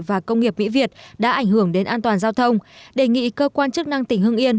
và công nghiệp mỹ việt đã ảnh hưởng đến an toàn giao thông đề nghị cơ quan chức năng tỉnh hưng yên